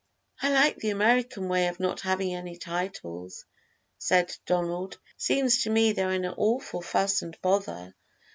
"I like the American way of not having any titles," said Donald; "seems to me they're an awful fuss and bother.